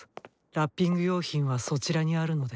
ラッピング用品はそちらにあるので。